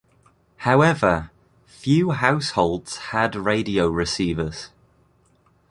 However, few households had radio receivers.